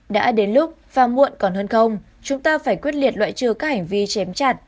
đã đến lúc vàng muộn còn hơn không chúng ta phải quyết liệt loại trừ các hành vi chém chặt